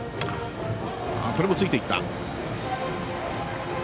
これもついていった。